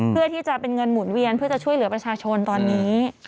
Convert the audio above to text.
เพื่อที่จะเป็นเงินหมุนเวียนเพื่อจะช่วยเหลือประชาชนตอนนี้